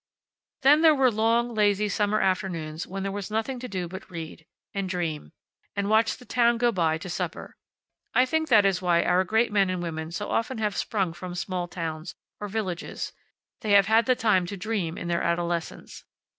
Then there were long, lazy summer afternoons when there was nothing to do but read. And dream. And watch the town go by to supper. I think that is why our great men and women so often have sprung from small towns, or villages. They have had time to dream in their adolescence.